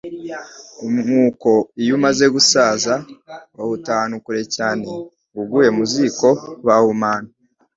Umwuko iyo umaze gusaza, bawuta ahantu kure cyane, ngo uguye mu ziko, bahumana